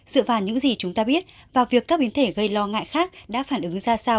dựa vào những gì chúng ta biết vào việc các biến thể gây lo ngại khác đã phản ứng ra sao